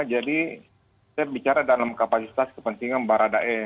jadi saya bicara dalam kapasitas kepentingan barada e